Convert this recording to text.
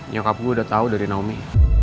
nyokap gue udah tau dari naomi